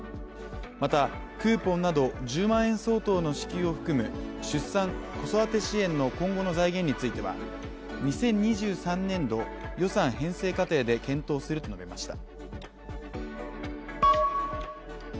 またクーポンなど１０万円相当の支給を含む出産・子育て支援の今後の財源については２０２３年度予算編成過程で検討すると述べました。